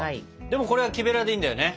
でもこれは木べらでいいんだよね。